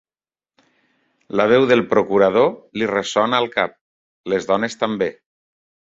La veu del procurador li ressona al cap. Les dones també.